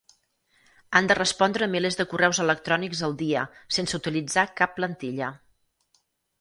Han de respondre milers de correus electrònics al dia sense utilitzar cap plantilla.